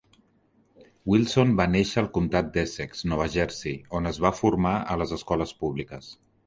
Wilson va néixer al comtat d'Essex, Nova Jersey, on es va formar a les escoles públiques.